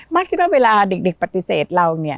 คิดว่าเวลาเด็กปฏิเสธเรา